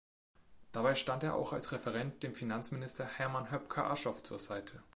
Dabei stand er auch als Referent dem Finanzminister Hermann Höpker-Aschoff zur Seite.